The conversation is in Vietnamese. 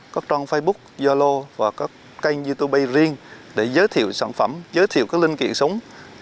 các trang facebook yalo và các kênh youtube riêng để giới thiệu sản phẩm giới thiệu các linh kiện sống